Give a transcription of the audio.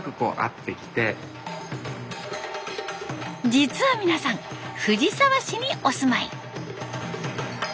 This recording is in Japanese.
実は皆さん藤沢市にお住まい。